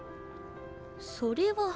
それは。